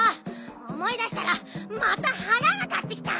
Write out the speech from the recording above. おもい出したらまたはらが立ってきた！